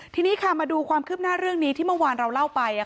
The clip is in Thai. ทีนี้ค่ะมาดูความคืบหน้าเรื่องนี้ที่เมื่อวานเราเล่าไป